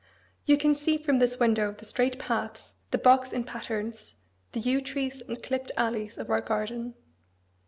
You can see from this window the straight paths, the box in patterns, the yew trees and clipped alleys of our garden.